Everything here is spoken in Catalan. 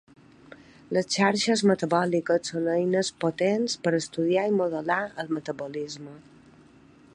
Les xarxes metabòliques són eines potents per estudiar i modelar el metabolisme.